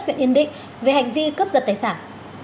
huyện yên định về hành vi cướp giật tài sản